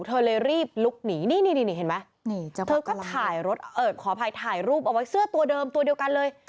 เธอเลยรีบลุกหนีนี่เห็นไหมเธอก็ถ่ายรถขออภัยถ่ายรูปเอาไว้เสื้อตัวเดิมตัวเดียวกันเลย